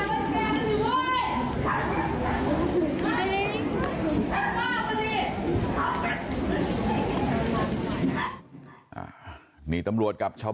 สวัสดีครับคุณผู้ชาย